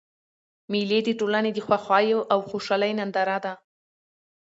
مېلې د ټولني د خوښیو او خوشحالۍ ننداره ده.